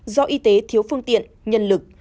do y tế thiếu phương tiện nhân lực